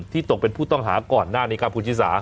ที่ตกเป็นผู้ต้องหาก่อนหน้าในการภูชิสา